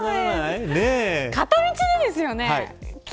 片道でですよね。